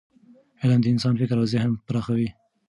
علم د انسان فکر او ذهن پراخوي.